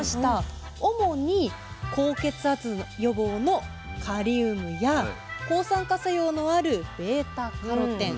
主に高血圧予防のカリウムや抗酸化作用のあるβ−カロテン。